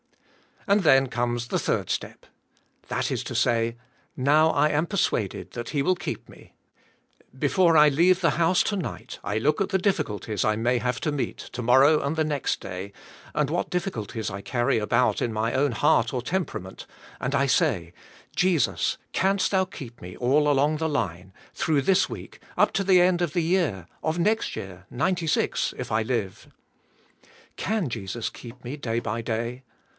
And then comes the third step. That is to say, * *Now I am persuaded that H e will keep me. " Before I leave the house, to night, I look at the difficulties 228 THE SPIRITUAL LIFE. that I may have to meet, to morrow and next day, and what diflB.culties I carry about in my own heart or temperament, and I say, ''Jesus, canst Thou keep me all along the line, through this week, up to the end of the year, of next year, '96, if I live?" Can Jesus keep me day by day?